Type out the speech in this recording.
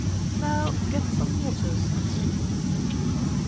"Now get some water, Smithson."